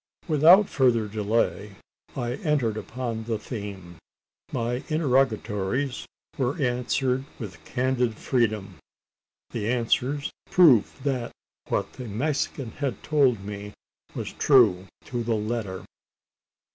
Without further delay, I entered upon the theme. My interrogatories were answered with candid freedom. The answers proved that what the Mexican had told me was true to the letter.